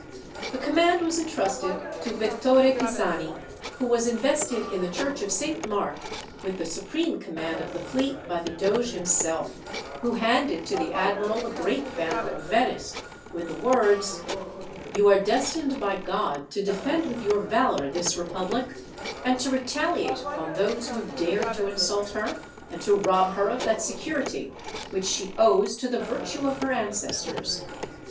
The command was entrusted to Vettore Pisani, who was invested in the church of Saint Mark with the supreme command of the fleet by the doge himself, who handed to the admiral the great banner of Venice, with the words: "You are destined by God to defend with your valour this republic, and to retaliate upon those who have dared to insult her and to rob her of that security which she owes to the virtue of her ancestors.